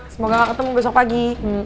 semoga gak ketemu besok pagi